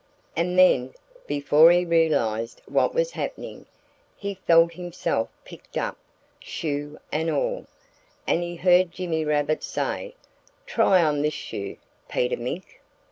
And then, before he realized what was happening, he felt himself picked up shoe and all and he heard Jimmy Rabbit say, "Try on this shoe, Peter Mink!"